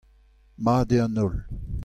Mat eo an holl.